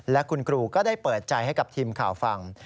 และคุณครูก็ได้เปิดใจให้กับทีมข่าวฟัง